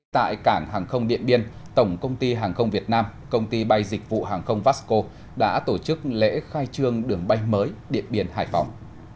tại cảng hàng không điện biên tổng công ty hàng không việt nam công ty bay dịch vụ hàng không vasco đã tổ chức lễ khai trương đường bay mới điện biên hải phòng